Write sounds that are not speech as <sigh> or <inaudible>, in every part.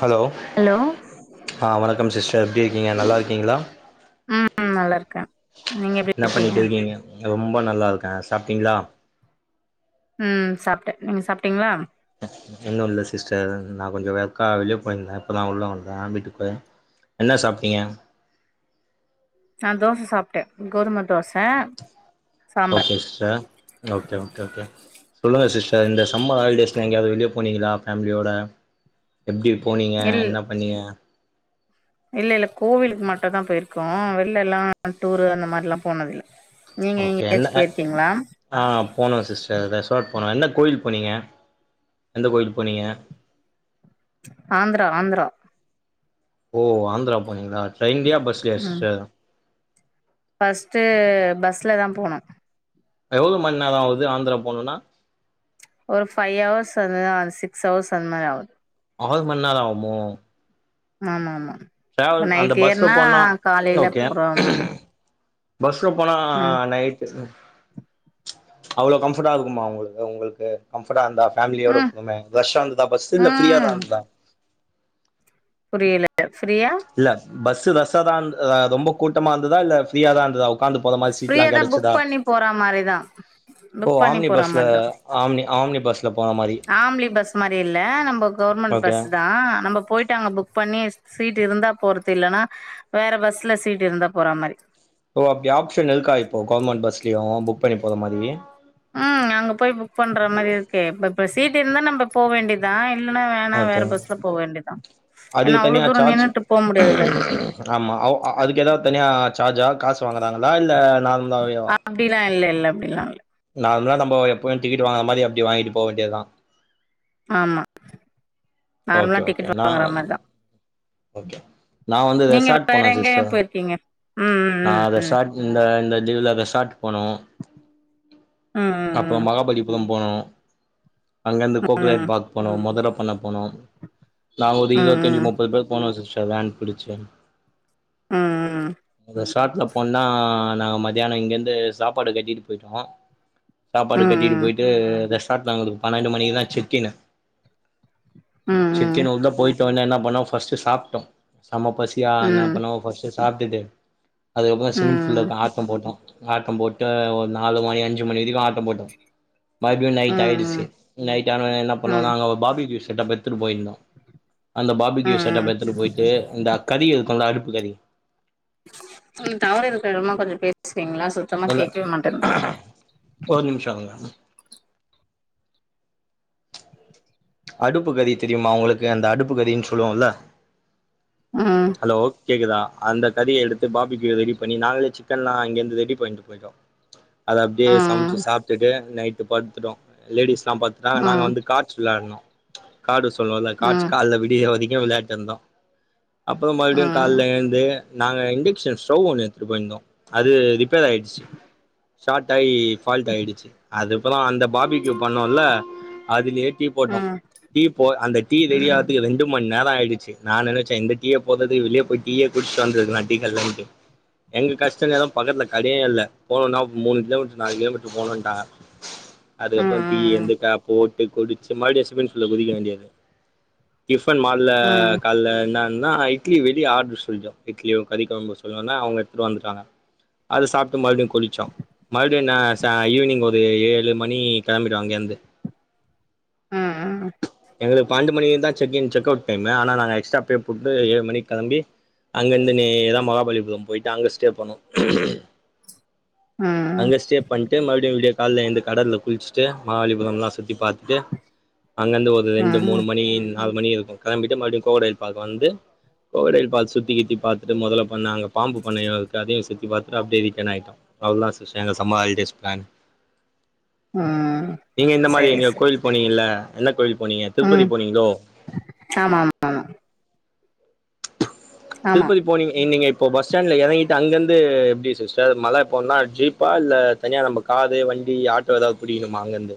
Hello hello ஆ வணக்கம் sister எப்படி இருக்கீங்க நல்லா இருக்கீங்களா ம் நல்லாருக்கே என்ன பண்ணிட்டுருக்கீங்க ரொம்ப நல்லாருக்கே சாப்ட்டீங்களா ம் சாப்ட்டே நீங்க சாப்ட்டீங்களா இன்னு இல்ல சிஸ்டர் நா கொஞ்சோ வெர்க்கா வெளியே போயிருந்தே இப்பதா நா உள்ள வந்தே வீட்டுக்கு என்ன சாப்ட்டீங்க நா தோச சாப்ட்டே கோதும dosa sambar okay sister okay okay okay சொல்லுங்க சிஸ்டர் இந்த சம்மர் ஹாலிடேஸ்ல எங்கேயாவது வெளிய போனீங்ளா ஃபேமிலியோட எப்டி போனீங்க என்ன பண்ணீங்க இல்லல்ல கோவிலுக்கு மட்டும்தா போயிருக்கோ வெளில எல்லா டூர் அந்த மாரில்லா போனதில்ல நீங்க ஓகே என்ன எங்கயாச்சு அ போயிருக்கீங்களா ஆ போனோ சிஸ்டர் ரெசார்ட் போனோ என்ன கோயில் போனீங்க எந்த கோயிலுக்கு போனீங்க ஆந்த்ரா ஆந்த்ரா ஓ ஆந்த்ரா போனீங்களா ட்ரெயின்லயா பஸ்லயா ம் சிஸ்டர் ஃபஸ்ட்டு பஸ்ல தா போனோ எவ்ளோ மந்நேரோ ஆவுது ஆந்த்ரா போனுன்னா ஒரு ஃபைவ் அவர்ஸ் அந்த சிக்ஸ் அவர்ஸ் அந்த்மாரி ஆகு அவள் மண்நேரோ ஆவுமோ ஆமாமா டிராவல் இப்ப அந்த நைட் பஸ்ல ஏர்னா போனா காலைல ஓகே போறா மாரிருக் பஸ்ல போனா நைட்டு ம் அவ்ளோ கம்ஃபர்ட்டா இருக்குமா உங்குளுக்கு உங்குள்க்கு கம்ஃபர்டாருந்தா பேம்லியோட ம் போறமே ரஷ்ஷாருந்துதா பஸ்ஸூ இல்ல ம் ஃப்ரியாதாந்துதா புரியல ஃப்ரியா இல்ல பஸ் ரஸ்ஸா தா இர்ந் ரொம்ப கூட்டமா இர்ந்துதா இல்ல ஃப்ரியா தா இந்துதா ஃப்ரியாதா புக் பண்ணி போறா மாரி தா ஓ புக் பண்ணி ஆம்னி போற பஸ்ல மாரி தா ஆம்னி ஆம்னி பஸ்ல போற மாரி ஆம்ளி பஸ் மாரி இல்ல நம்பக் கவுர்மண்ட் ஓகே பஸ்ஸு தா நம்ப போய்ட்டு அங்க புக் பண்ணி சீட் இருந்தா போறத்து இல்லன்னா வேற பஸ்ல சீட் இருந்தா போறா மாரி ஓ அப்டி ஆப்ஷ்ஷன் இருக்கா இப்போ கவுர்மண்ட் பஸ்லயு புக் பண்ணி போற மாரி ம் அங்க போய் புக் பண்ற மாரி இருக்கே ப்ப ப்ப சீட் இருந்தா நம்ப போ வேண்டிதா இல்லன்னா வேணா வேற ஓகே பஸ்ல போ வேண்டிதா எனா அதுக்கு அவ்ளோ தனியா தூரோ சார்ஜ் நின்னுட்டு போ முடியாதுல்ல ஆமா அவ் அதுக்கு எதாவ்து தனியா சார்ஜா காசு வாங்குறாங்களா இல்ல நார்ம்லாவேவா அப்டிலா இல்ல இல்ல அப்டிலால்ல நார்ம்லா நம்போ எப்பயு டிக்கெட்டு வாங்ற மாரி அப்டி வாங்கிட்டு போ வேண்டியதுதா ஆமா ஓகே நார்மலா ஓகே டிக்கெட்டு நா வாங்ற மாரிதா ஓகே நா வந்து நீங்க ரெசார்ட் வேற போனே எங்கயு சிஸ்டர் போய்ருக்கிங்க ம் ம் ம் ம் இல்ல இந்த லீவ்ல ரெசாட் போனோ ம் அப்றோ ம் மகாபலிபுரம் போனோ அங்கருந்து ம் ம் ம் கோக்டேல் பார்க் போனோ மொதல பண்ண போனோ நாங் ஒரு ம் இருவத்தஞ்சு ம் முப்பது பேர் போனோ சிஸ்டர் வேன் புடிச்சு ம் <unintelligible> காட்ல போன்னா நாங்க மத்தியானோ இங்கர்ந்து சாப்பாடு கட்டிட்டு போய்ட்டோ ம் சாப்பாடு கட்டிட்டு ம் போய்ட்டு ரெஸார்ட்ல அவுங்குள்து பனண்டு மணிக்குதா செக்கின்னு ம் செக்கின்னு உள்ள போயிட்டோனோ இன்னா பண்ணோ ஃபஸ்ட்டு சாப்டோ செம பசி யா ம் இன்ன பண்ணோ ஃபஸ்ட்டு சாப்ட்டுட்டு அதுக்கப்றோ ஸ்விம்மிங் ம் ஃபுல்லருக்கோ ஆட்டோ போட்டோ ஆட்டம் போட்டு ஒரு நாலு மணி அஞ்சு மணி வரிக்கோ ஆட்டோ போட்டோ மறுப்டியு ம் நைட் ஆய்டுச்சி ம் நைட் ஆனா என்ன பண்ணோ ம் நாங்க ஒர் பாபிக்யூ செட்டப் எத்துட்டு போய்ர்ந்தோ அந்த பாபிக்குயூ செட்டப் எத்துட்டு போய்ட்டு இந்த கரி இருக்குல்ல அடுப்பு கரி ம் டவரு இருக்குற எடமா கொஞ்சோ பேஸ்றிங்ளா சோ இல்ல ஒரு நிம்ஷோங்க அடுப்பு கரி தெரியுமா உங்ளுக்கு அந்த அடுப்பு கரின் சொல்லுவோல்ல ம் ஹலோ கேக்குதா அந்த கரிய எடுத்து பாபிக்யூ ரெடி பண்ணி நாங்களே சிக்கன்லா இங்கர்ந்து ரெடி பண்ணிட்டு போய்ட்டோ அத அப்டியே சமச்சு ம் சாப்ட்டுட்டு நைட்டு பட்த்துட்டோ லேடிஸ்லா பட்த்டாங் நாங்க ம் வந்து காட் ஸ் விளாட்னோ கார்டு சொல்லுவோல்ல ம் கார்ட்ஸ் ம் கால்ல விடிர வரிக்கோ விளயாட்டுந்தோ அப்றோ மறுப்டியு ம் கால்ல எழுந்து நாங்க இண்டக்க்ஷன் ஸ்டவ் ஒன்னு எட்த்துட் போய்ருந்தோ அது ரிப்பேர் ஆய்டிச்சு ஷார்ட் ஆயி ஃபால்ட் ஆய்டுச்சு அது அப்றோ அந்த பாபிக்யூ பண்ணோல அதுலயே டீ போட்டோ ம் டீ போ அந்த டீ ரெடியாரத்துக்கு ரெண்டு மண் நேரோ ஆய்டிச்சி நா நெனச்சே இந்த டீய போட்றதுக்கு வெளிய போய்ட் டீயே குட்ச்சிட் வந்துர்க்கலா டீ கட்லன்ட்டு எங்க கஷ்ட நேரோ பக்கத்ல கடயே இல்ல போணோன்னா மூணு கிலோமீட்ரு நாலு கிலோமீட்ரு போணோன்ட்டாங்க ம் அதுக்கப்றோ டீ எழ்ந்து கா போட்டு குடிச்சு மறுபடியு ஸ்விம்மிங் ஃபூல்ல குதிக்க வேண்டியது டிஃபன் மால்ல ம் ம் கால்ல என்னன்னா இட்லி வெளிய ஆட்ரு சொல்ட்டோ இட்லியு கறி கொழம்பு சொன்னோன்னா அவுங்க எட்த்துட்டு வந்துட்டாங்க அத சாப்ட்டு மறுப்டியு குளிச்சோ மறுபடியு நா சா ஈவினிங் ஒரு ஏழு மணி கெளம்பிட்டோ அங்கேர்ந்து ம் ம் எங்களுக் பண்டு மணிக்கு தா செக்கிங் செக் அவுட் டைமு ஆனா நாங்க எக்ஸ்ட்ரா பே போட்டு ஏழு மணிக் கெளம்பி அங்கர்ந்து நேரா மகாபலிபுரம் போய்ட்டு அங்க ஸ்டே பண்ணோ அங்க ஸ்டே பண்ட்டு மறுபடியு விடியகால்ல எழ்ந்து கடல்ல குளிச்சி ட்டு மாகபலிபுரம்ல்லா சுத்தி பாத்துட்டு அங்கர்ந்து ஒரு ரெண்டு ம் மூணு மணி நாலு மணி இருக்கு கிளம்பிட்டு மறுபடியு கோடைல் பார்க் வந்து கோடைல் பார்க் சுத்தி கித்தி பாத்துட்டு முதல பண்ண அங்க பாம்பு பண்ணயு இருக்கு அதையு சுத்தி பாத்துட்டு அப்டியே ரிட்டன் ஆய்ட்டோ அவ்ள் தா சிஸ்டர் எங்க சம்மர் ஹாலிடேஸ் பிளான் ம் நீங்க இந்த மாரி சரி எங்யோ சரி கோயில் போனீங்கல்ல என்ன கோயில் போனீங்க திருப்பதி ம் போனீங்ளோ ஆமா ஆமா ஆமா திருப்பதி போனீங்க என் நீங்க இப்போ பஸ் ஸ்டாண்ட்ல எறங்கிட்டு அங்கர்ந்து எப்டி சிஸ்டர் மல போன்னா ஜீப் பா இல்ல தனியா நம்ப காரு, வண்டி, ஆட்டோ எதாவ் புடிக்கணுமா அங்கர்ந்து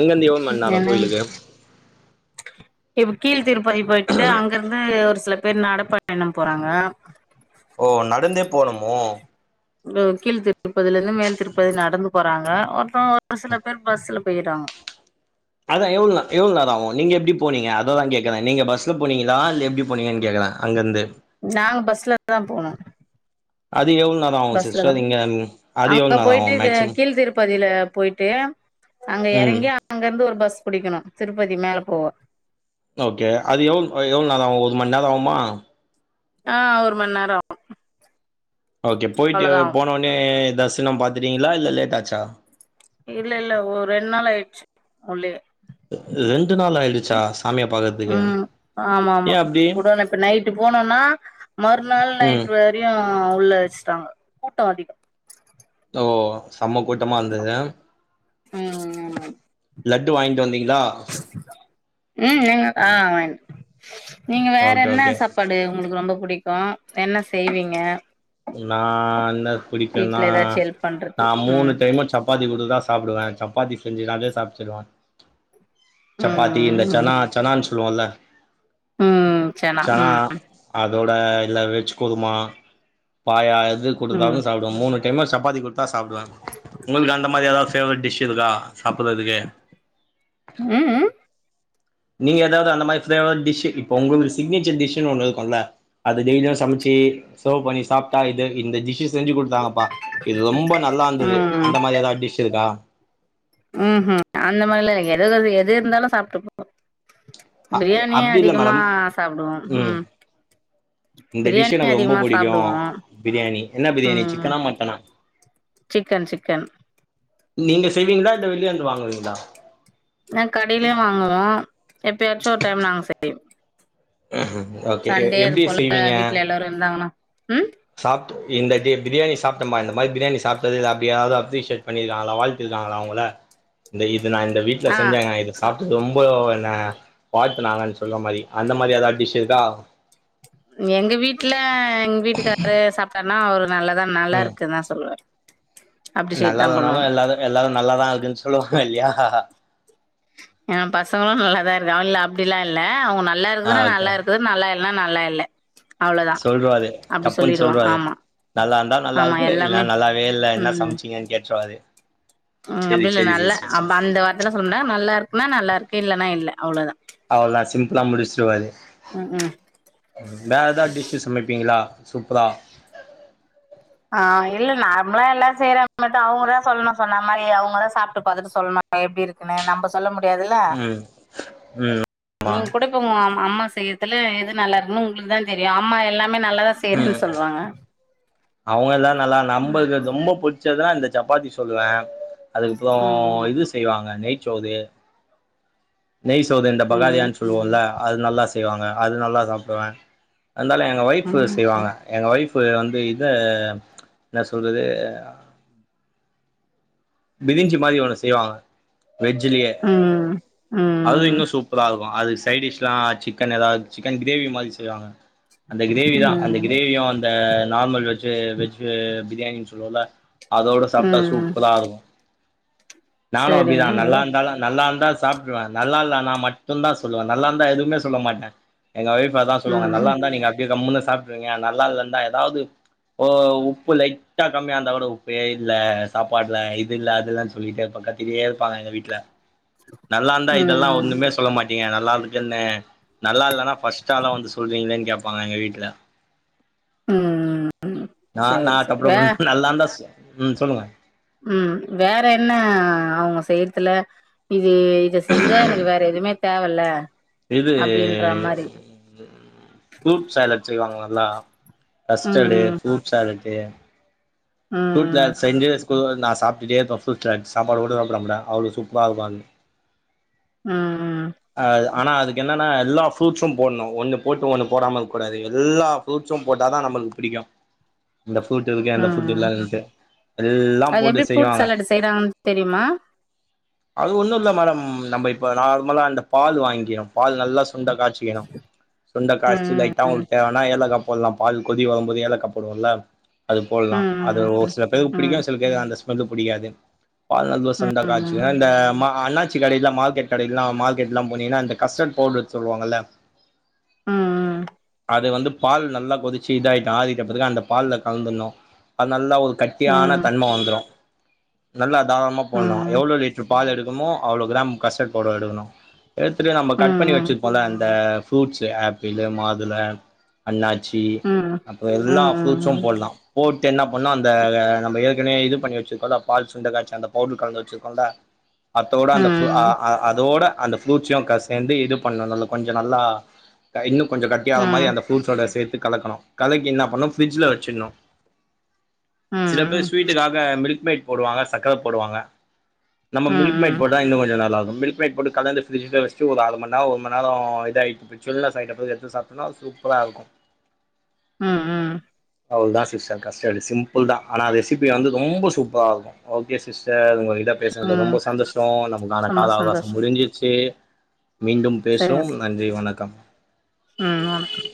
அங்கர்ந்து எவ்ள் மண் நேரோ என்ன கோயிலுக்கு இப்ப கீழ் திருப்பதி போய்ட்டு அங்கர்ந்து ஒரு சில பேர் நடபயணம் போறாங்க ஓ நடந்தே போனுமோ ம் கீழ் திருப்பதிலருந்து மேல் திருப்பதி நடந்து போறாங்க ஒர்த்தோ ஒரு சில பேர் பஸ்ஸுல போயிட்றாங்க அதா எவ்ள் ந எவ்ள் நேரோ ஆகு நீங்க எப்டி போனீங்க அததா கேக்கற நீங்க பஸ்ல போனீங்களா இல்ல எப்டி போனீங்கன் கேக்கறே அங்கர்ந்து நாங்க பஸ்ல தா போனோ அதுக் எவ்ள் பஸ்ல தா போனோ அங்க நேரோ போய்ட்டு ஆகு த மேக்சிமம் கீழ் திருப்பதில போய் ட்டு அங்க ம் எறங்கி அங்கர்ந்து ஒரு பஸ் புடிக்கணு திருப்பதி மேல போவ ஓகே அதுக் எவ்ள் அ எவ்வள் நேர ஆகு ஒரு மண் நேரோ ஆகுமா ஆ ஒரு மண் நேரோ ஆகு ஓகே போய்ட்டு அவ்ளோதா ஆகு போன உன்னே தர்சினம் பாத்துட்டீங்களா இல்ல லேட்டாச்சா இல்லல்ல ஒரு ரெண் நாள் ஆயிர்ச்சு உள்ளயே ரெண்டு நாள் ஆய்டுச்சா சாமிய பாக்கறதுக்கு ம் ஆமாமா ஏ அப்டி குடோனு இப்ப நைட்டு போனோனா மறுநாள் ம் நைட் வரையு உள்ள வெஸ்ட்டாங்க கூட்டோ அதிகோ ஓ செம்ம கூட்டமா இர்ந்தது ம் ஆமா லட்டு வாய்ங்ட்டு வந்தீங்களா ம் நீங்க ஆ வாய்ங்ட்டே நீங்க வேற ஓகே என்ன ஓகே சாப் பாடு உங்களுக் ரொம்ப புடிக்கு என்ன செய்வீங்க நா என்ன பிடிக்குன்னா வீட்ல ஏதாச்சு ஹெல்ப் பண்றது நா மூணு ம் டைமு சப்பாத்தி குடுத்தா சாப்புடுவே சப்பாத்தி செஞ்சு நாள்லே சாப்ச்சிருவே சப்பாத்தி இந்த ம் ம் சனா சனான் சொல்லுவோல்ல ம் சனா ம் அதோட இல்ல வெஜ்ஜு குருமா பாயா எது ம் குடுத்தாலு சாப்டுவே மூணு டைமு சப்பாத்தி குட்த்தா சாப்டுவே உங்கள்க்கு அந்த மாரி எதாவ் ஃபேவரெட் டிஷ் இருக்கா சாப்பட்றதுக்கு ம் ம் நீங்க ஏதாவது அந்த மாரி ஃபேவரட் டிஷ்ஷூ இப்ப உங்களுக் சிக்னேச்சர் டிஷ்ஷுனு ஒண்ணு இருக்குல அத டெய்லியு சமச்சி செர்வ் பண்ணி சாப்டா இது இந்த டிஷ்ஷு செஞ்சு குட்த்தாங்கப்பா இது ரொம்ப நல்லாந்துது ம் அந்த மாரி ஏதா டிஷ் இருக்கா ம்ஹும் அந்த மாரிலா இல்லிங்க எத சொல்றிங் எது இருந்தாலு சாப்ட்டுபோ அ பிரியாணிய அப்டி இல்ல அதிகமா மேடம் சாப்டுவோ ம் இந்த டிஷ்ஷு பிரியாணியே எனக் ரொம்ப அதிகமா புடிக்கு சாப்டுவோ பிரியாணி என்ன பிரியாணி ம் சிக்கனா மட்டனா சிக்கன் சிக்கன் நீங்க செய்வீங்களா இல்ல வெளியந்து வாங்குவீங்ளா நாங் கடைலயு வாங்குவோ எப்பயாச்சு ஒர் டைம் நாங்க செய்வோ <unintelligible> சண்டே எப்டி அதுபோல செய்வீங்க வீட்ல எல்லாரு இருந்தாங்னா ம் சாப்ட்டு மீந்ததி பிரியாணி சாப்டமா இந்த மாரி பிரியாணி சாப்டது அப்டி யாராவது அப்ரிஷியேட் பண்ணிருகாங்ளா வாழ் தில்லாங்களா உங்கள இந்த இது நா இந்த வீட்ல ஆ செஞ்சேங்க இது சாப்டு ரொம்பலோவென்ன வாழ்த்து நாங்கன் சொல்வ மாரி அந்த மாரி ஏதா டிஷ் இருக்கா எங்க வீட்ல எங்க வீட்டுக்கார்ரு சாப்டார்னா அவரு நல்லாதா நல்லா இருக்குதா சொல்லுவாரு அப்ரிஷியேட் தான் நல்லால்லனாலு பண்ணுவாங்க. எல்லாரு எல்லாரு நல்லாதா இருக்குன் சொல்லுவாங்க இல்லியா எ பசங்ளு நல்லாதா இருக் இல்ல அப்டிலா இல்ல அவுங்க நல்லா ஆ இருக்குதுனா ஓகே நல்லா இருக்கு நல்லா இல்னா நல்லா இல்ல அவ்ளோதான். சொல்டுவாரு அப்டி டப்புன் சொல்லிடுவாங்க. சொல்டுவாரு ஆமா. நல்லார்ந்தா நல்லா ஆமா இருக்கு இல்ல எல்லாமே நல்லாவே இல்ல இன்ன சம்ச்சீங்கன் கேட்ருவாரு அ சேரி அப்டி இல்ல சேரி நல்ல சிஸ்டர் அ சேரி அந்த வார்த்திலா சொல்லமட்டர் நல்லா இர்குனா நல்ல இருக்கு இல்லனா இல்ல அவ்ளோதா அவ்ள்தா சிம்ப்லா முடிச்சுரு வாரு ம்ஹ்ம். வேற எதாது டிஷ்ஷு சமப்பீங்களா சூப்பரா ஆ இல்ல நார்மிலா எல்லாரு செய்ற மட்டு அவுங்கதா சொல்ணு சொன்ன மாரி அவுங்கதா சாப்ட்டு பாத்துட்டு சொல்ணு எப்டி இருக் கினு நம்ப சொல்ல முடியாதுல ம் ம் ஆமா நீங் கூடப் க உங் அம்மா அம்மா செய்றதுல எது நல்லா இருக்குன் உங்ளுக்குதா தெரியு அம்மா எல்லாமே நல்லாதா செய்றேன் சொல்வாங்க அவுங்க எல்லா நல்லா நம்மபகு ரொம்ப புட்ச்சதா இந்த சப்பாத்தி சொல்லுவே அதுக்கப்புறோ ம் இது செய்வாங்க நெய்ச்சோறு நெய் சோறு இந்த ம் பகாதியான் சொல்லுவோல அது நல்லா செய்வாங்க அது நல்லா சாப்டுவே அந்தால எ ஒய்ஃபு ம் செய்வாங்க எங்க ஒய்ஃபு வந்து இத இன்ன சொல்றது பிரிஞ்சி மாரி ஒன்னு செய்வாங்க வெஜ்லியே ம் அதுல ம் இன்னு சூப் ப்பரா இருக்கு அது சைடிஷ்லா சிக்கன் ஏதாத் சிக்கன் கிரேவி மாதிரி செய்வாங்க அந்த கிரேவி தா அந்த ம் கிரேவியு அந் இந்த நார்மல் வெஜ்ஜு வெஜ்ஜு பிரியாணின் சொல்லுவோல அதோடு சாப்ட்டா ம் சூப்பரா இருக்கு நானு அப்டிதா சரிங்க நண்பா நல்லார்ந்தால நல்லா இருந்தா சாப் புடுவ நல்லா இல்லனா மட்டுந்தா சொல்லுவே நல்லார்ந்தா எதுமே சொல்ல மாட்டே எங்க ஒய்ஃபு அதா சொல்லுவாங்க ம் நல்லா இருந்தா நீங்க அப்டியே கம்முன்னு சாப்ட்டுருவீங்க நல்லா இல்லந்தா ஏதாவ்து ஒ உப்பு லைட்டா கம்மியார்ந்தா கூட உப்பே இல்ல சாப்பாட்ல இல்ல அதெல்லா சொல்லிட்டே இருப்ப கத்திட்டே இருப்பாங்க எங்க வீட்ல நல்லார்ந்தா இதெல்லா ம் ஒண்ணுமே சொல்ல மாட் டீங்க நல்லா இர்க்குன்னு நல்லா இல்லனா ஃபஸ்ட்டு ஆளா வந்து சொல்வீங்ளேன் கேப்பாங்க எங்க வீட்ல ம் நா சேரி நா சேரி வே டப்புடப்புனு நல்லார்ந்தா ம் சொல்லுங்க ம் வேற என்ன அவுங்க செய்யற்துல இது இத செஞ்சா எனக்கு வேற எதுவுமே தேவல்ல இது அப்டின்ற மாரி ம் ஃப்ரூட் சேலட் செய்வாங்க நல்லா கஸ்டடு ம் ஃப்ரூட் சேலட்டு ஃப்ரூட் ல ம் செஞ்ச கு நா சாப்டுட்டே இருப்பே ஃப்ரூட்ல லட் சாப்பாடு கூட சாப்ட மாட்டே அவ்ளோ சூப்பரா இருக்கு அந் அ அ அ அது ஆனா அதுக்கு என்னனா எல்லா ஃப்ரூட்ஸும் போட்னு ஒன்னு போட்டு ஒன்னு போடாம இருக்ககூடாது எல்லா ஃப்ரூட்ஸும் போட்டா தா நமக்கு பிடிக்கு இந்த ஃப்ரூட் இருக்கு அந்த ஃப்ரூட் டு ம் இல்லண்டு எல்லா அது போட்டு எப்டி ஃப்ரூட் செய்வாங்க சாலட் செய்யறாங்கன்னு தெரியுமா அது ஒன்னு இல்ல மேடம் நம்ப இப்ப நார்மலா அந்த பால் வாங்கிறோ பால் நல்லா சுண்ட காச்சிக்கணு சுண்ட காசிட்டு ம் லைட் டா ம் அவுங்ளுக்கு தேவனா ஏலக்கா போல்லா பால் கொதி வரும் போது ஏலக்காப்போடுவோல்ல அது போல்லா அது ம் ஒரு சில பேருக்கு ம் ம் பிடிக்கு சில பேருகு அந்த ஸ்மெல்லு புடிக்காது பால் நல்லா சுண்ட ம் காச்சுகுவே இந்த ம அன்னாச்சி கடையில்லா மார்கெட் கடையில்லா மார்கெட்லா போனிங்னா இந்த கஸ்டட் பவுடர் சொல்லுவாங்கல்ல ம் ம் அத வந்து பால் நல்லா கொதிச்சி இதாயிட்டு ஆறிட்ட பெறகு அந்த பால்ல கலந்துன்னு அது நல்லா ஒரு கட்டியான ம் தன்ம வந்துரு நல்லா தாராலமா போட்லா ம் எவ்ளோ லிட்ரு பால் எடுகருமோ அவ்ளோ கிராம் கஸ்டட் பவுடர் எடுக்கனு எடுத்துட்டு நம்ம ம் கட் பண்ணி ம் வெச்சிர்போல்ல அந்த ஃப்ரூட்சு ஆப்பிளு மாதுள அண்ணா ச்சி ம் அப்றோ ம் ம் ம் எல்லா ஃப்ரூட்சும் போட்லா அத்து என்ன பண்ணோ அந்த நம்ம ஏற்கனவே இது பண்ணி வெச்சிருக்கோல்ல பால் சுண்ட காச்சி அந்த பவுட்ரு கலந்து வெச்சிருக்கோல்லா அத்தோட அந்த ஃப்ரூ அ அ அதோட அந்த ஃப்ரூட்ஸயு க சேந்து இது பண்ணணோ நல் கொஞ்சோ நல்லா க இன்னு கொஞ்சோ ம் ம் கட்டியாகாத மாரி அந்த ம் ஃப்ரூட்சோட சேத்துகலக்கணோ கலக்கி என்னா பண்ணு ஃப்ரிஜ்ல வெச்சிண்ணு சில பேர் ஸ்வீட்டுக்காக மில்க் மேட் போடுவாங்க சக்கர போடுவாங்க நம்ம ம் மில்க் மேட் போட்டா இன்னு கொஞ்சோ நல்லா இருக்கு மில்க் மேட்போட்டு கலந்து ஃப்ரிஜில வெஸ்டு ஒரு அர மண்நேரோ ஒரு மண்நேரோ இதாயி சில்னஸ் ஆயிட்டப்போது எடுத்து சாப்டோனா சூப்பரா இருக்கு ம் ம் அவ்ளவுதா சிஸ்டர் கஷ்டடு சிம்பிள் தா ஆனா அதுரெசிபி வந்து ரொம்போ சூப்பரா இருக்கு ஓகே சிஸ்டர் உங்க கிட்ட பேசுனது ம் ரொம்போ சந்தோஷோ நமக்கான ரொம்ப கால அவகாசோ சந்தோஷம் முடிஞ்சிருச்சி மீண்டும் சரிங்க பேசுவோம் சார். நன்றி வணக்கம் ம் வணக்கம்